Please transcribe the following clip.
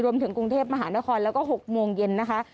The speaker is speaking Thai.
รวมถึงกรุงเทพมหานครแล้วก็๖โมงเย็นนะคะ